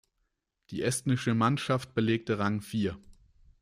Die estnische Mannschaft belegte Rang vier.